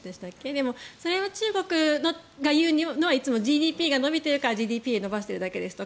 でもそれは中国が言うのはいつもＧＤＰが伸びているからＧＤＰで伸ばしているだけですと。